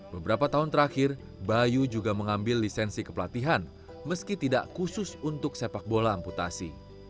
beberapa tahun terakhir bayu juga mengambil lisensi kepelatihan meski tidak khusus untuk sepak bola amputasi